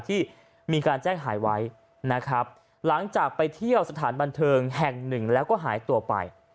ที่มีการแจ้งหายไว้นะครับหลังจากไปเที่ยวสถานบันเทิงแห่งหนึ่งแล้วก็หายตัวไป